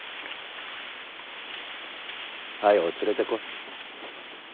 早う連れてこい。